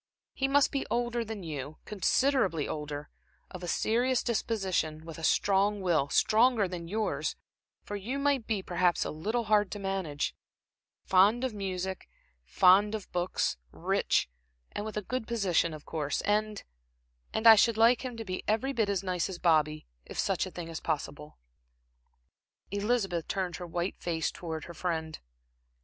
He must be older than you, considerably older; of a serious disposition, with a strong will, stronger than yours, for you might be perhaps a little hard to manage; fond of music and fond of books; rich, and with a good position of course; and and I should like him to be every bit as nice as Bobby, if such a thing is possible." Elizabeth turned her white face towards her friend.